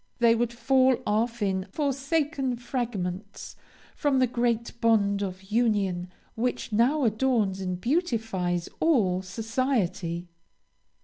They would fall off in forsaken fragments from the great bond of union which now adorns and beautifies all society.